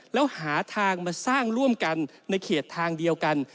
แล้วหาทางมาสร้างร่วมกันในเขตทางเดียวกัน